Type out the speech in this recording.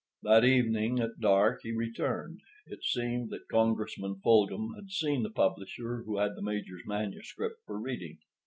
That evening, at dark, he returned. It seemed that Congressman Fulghum had seen the publisher who had the Major's manuscript for reading.